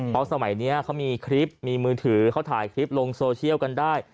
เพราะสมัยนี้เขามีคลิปมีมือถือเขาถ่ายคลิปลงโซเชียลกันได้